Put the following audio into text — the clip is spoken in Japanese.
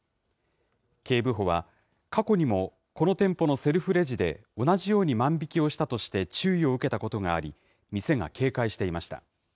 警部補は、過去にもこの店舗のセルフレジで同じように万引きをしたとして、注意を受けたことがあり、店が警戒していました。